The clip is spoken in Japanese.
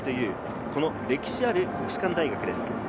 この歴史ある国士舘大学です。